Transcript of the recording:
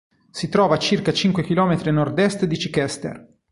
Si trova a circa cinque chilometri a nord-est di Chichester.